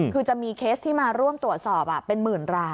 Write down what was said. คือจะมีเคสที่มาร่วมตรวจสอบเป็นหมื่นราย